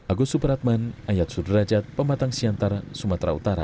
agus supratman ayat sudrajat pematang siantar sumatera utara